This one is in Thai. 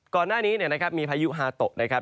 ก่อนหน้านี้นะครับมีพายุฮาโตะนะครับ